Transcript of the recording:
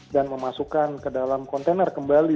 dan memasukkan ke dalam kontainer kembali